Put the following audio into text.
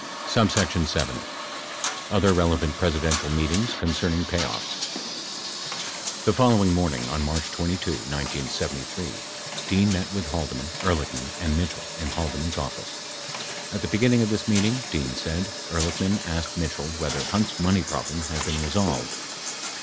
[p. 269] 7. OTHER RELEVANT PRESIDENTIAL MEETINGS CONCERNING PAYOFFS The following morning, on March 22, 1973, Dean met with Halde man, Ehrlichman and Mitchell in Haldeman's office. At the beginning of this meeting, Dean said, Ehrlichman asked Mitchell whether Hunt's money problem had been resolved.